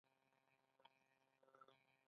عصري تعلیم مهم دی ځکه چې خلاقیت زیاتوي.